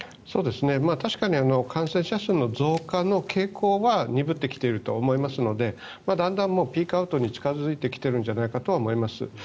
確かに感染者数の増加の傾向は鈍ってきているとは思いますのでだんだんピークアウトに近付いてきてるんじゃないかと思います。